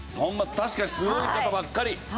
確かにすごい方ばっかり。